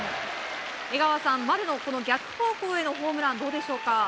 江川さん、丸の逆方向へのホームラン、どうでしょうか？